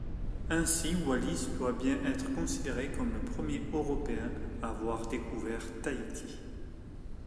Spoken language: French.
Ainsi, Wallis doit bien être considéré comme le premier européen à avoir découvert Tahiti.